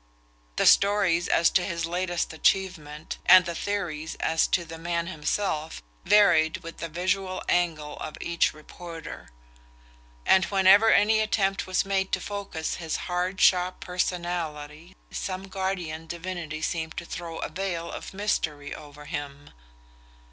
The stories as to his latest achievement, and the theories as to the man himself, varied with the visual angle of each reporter: and whenever any attempt was made to focus his hard sharp personality some guardian divinity seemed to throw a veil of mystery over him.